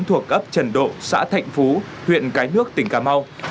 thuộc ấp trần độ xã thạnh phú huyện cái nước tỉnh cà mau